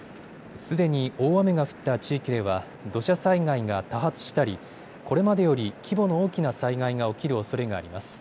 すでに大雨が降った地域では土砂災害が多発したりこれまでより規模の大きな災害が起きるおそれがあります。